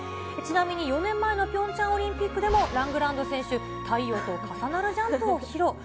ちなみに４年前のピョンチャンオリンピックでも、ラングランド選手、太陽と重なるジャンプを披露。